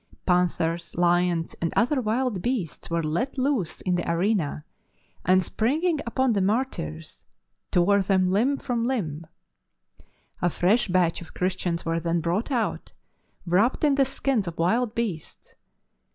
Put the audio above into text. Panthers, lions, and other wild beasts w'ere let loose in the arena, and, spiing ing upon the martyrs, tore them limb from limb. A fresh batch of Christians were then brought out, wrapped in the skins of wild beasts.